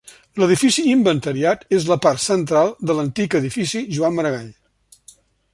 L'edifici inventariat és la part central de l'antic edifici Joan Maragall.